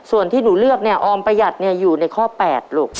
ส่วนที่หนูเลือกเนี่ยออมประหยัดอยู่ในข้อ๘ลูก